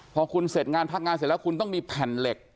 พอคุณเสร็จงานพักงานเสร็จแล้วคุณต้องมีแผ่นเหล็ก